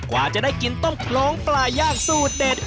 กว่าจะได้กินต้มโครงปลาย่างสูตรเด็ด